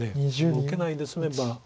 受けないで済めば。